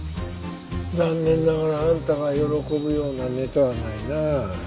残念ながらあんたが喜ぶようなネタはないなあ。